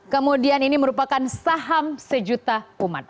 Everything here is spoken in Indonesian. kemudian ini merupakan saham sejuta umat